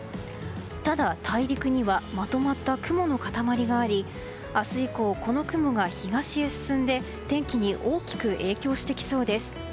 ただ、大陸にはまとまった雲の塊があり明日以降、この雲が東へ進んで天気へ大きく影響してきそうです。